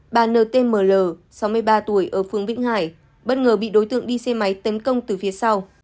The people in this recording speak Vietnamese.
bà ntml sáu mươi ba tuổi ở phương vĩnh hải bất ngờ bị đối tượng đi xe máy tấn công từ phía sau